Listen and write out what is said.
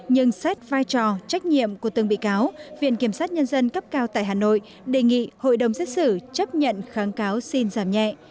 nhưng xét vai trò trách nhiệm của từng bị cáo viện kiểm sát nhân dân cấp cao tại hà nội đề nghị hội đồng xét xử chấp nhận kháng cáo xin giảm nhẹ